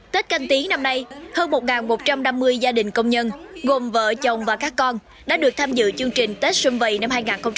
tết canh tí năm nay hơn một một trăm năm mươi gia đình công nhân gồm vợ chồng và các con đã được tham dự chương trình tết xuân vầy năm hai nghìn hai mươi